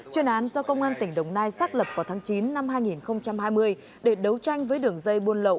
chuyên án do công an tỉnh đồng nai xác lập vào tháng chín năm hai nghìn hai mươi để đấu tranh với đường dây buôn lậu